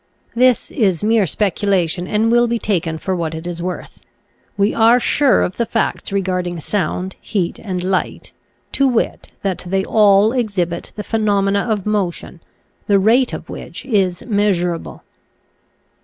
This is mere speculation and will be taken for what it is worth. We are sure of the facts re garding sound, heat, and light, to wit, that they all exhibit the phenomena of motion^ the rate of which is measurable.